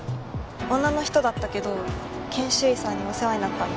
女の人だったけど研修医さんにお世話になったんだ。